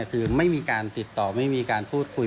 คือไม่มีการติดต่อไม่มีการพูดคุย